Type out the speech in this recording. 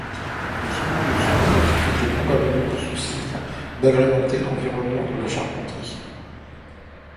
Le second motif était probablement le souci d’agrémenter l’environnement de la Charpenterie.